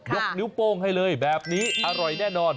ยกนิ้วโป้งให้เลยแบบนี้อร่อยแน่นอน